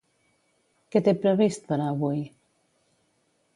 Què té previst per a avui?